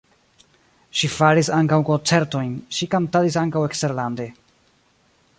Ŝi faris ankaŭ koncertojn, ŝi kantadis ankaŭ eksterlande.